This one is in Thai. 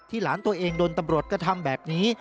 หลานตัวเองโดนตำรวจกระทำแบบนี้